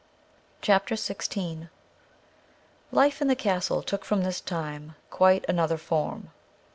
CHAPTER 16 Life in the castle took from this time quite another form.